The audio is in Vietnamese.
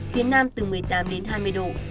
phía nam từ một mươi tám đến hai mươi độ